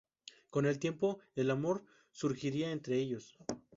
Con el tiempo, el amor surgirá entre ellos.